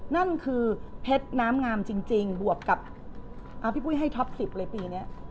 นั่นคือเพชรน้ำงามจริงบวกกับพี่ปุ้ยให้ท็อป๑๐เลยปีนี้